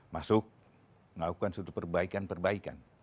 masuk melakukan suatu perbaikan perbaikan